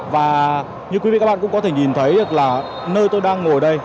và như quý vị các bạn cũng có thể nhìn thấy nơi tôi đang ngồi đây